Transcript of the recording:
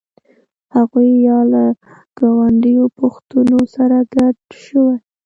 هغوی یا له ګاونډیو پښتنو سره ګډ شوي.